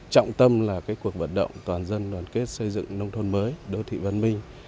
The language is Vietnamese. trọng tâm là cuộc vận động toàn dân đoàn kết xây dựng nông thôn mới đô thị văn minh